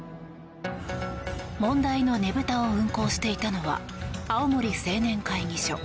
問題のねぶたを運行していたのは青森青年会議所。